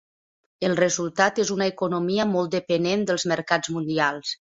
El resultat és una economia molt depenent dels mercats mundials.